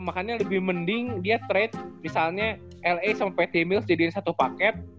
makanya lebih mending dia trade misalnya la sama pt mills jadiin satu paket